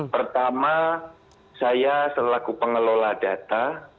pertama saya selaku pengelola data